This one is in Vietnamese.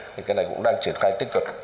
thì cái này cũng đang triển khai tích cực